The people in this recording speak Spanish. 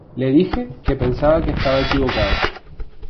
Le dije que pensaba que estaba equivocado.